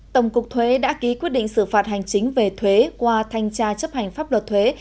tổng cục thuế đã ký quyết định xử phạt hành chính về thuế qua thanh tra chấp hành pháp luật thuế